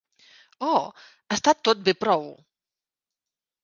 Oh, està tot bé prou!